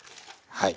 はい。